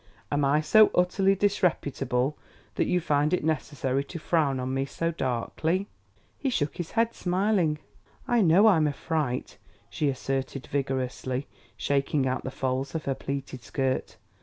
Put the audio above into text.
"Am I so utterly disreputable that you find it necessary to frown on me so darkly?" He shook his head, smiling. "I know I'm a fright," she asserted vigorously, shaking out the folds of her pleated skirt.